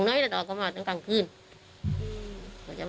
นั่นตอนก็มาเล่นเรื่องมันจะเห็น